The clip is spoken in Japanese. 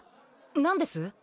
何です？